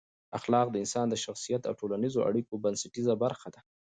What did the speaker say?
اخلاق د انسان د شخصیت او ټولنیزو اړیکو بنسټیزه برخه ده.